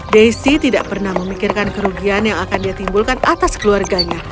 daisty tidak pernah memikirkan kerugian yang akan dia timbulkan atas keluarganya